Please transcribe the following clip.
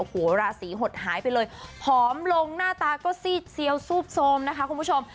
โอ้โหราศีหดหายไปเลยผอมลงหน้าตาก็ซีดเซียวซูบโทรมนะคะคุณผู้ชม